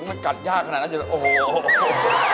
อุ๊ยมันกัดยากขนาดนั้นเดี๋ยวจะโอ้โฮ